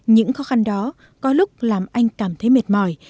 những khó khăn đó có lúc làm anh cảm thấy mệt mỏi